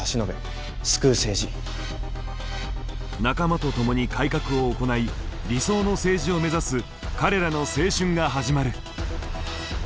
仲間と共に改革を行い理想の政治を目指す彼らの青春が始まる。